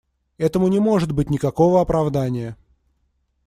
Этому не может быть никакого оправдания.